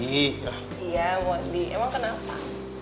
iya maudie emang kenapa